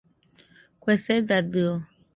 Kue sedadio.